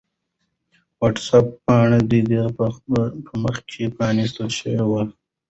د وټس-اپ پاڼه د ده په مخ کې پرانستل شوې وه.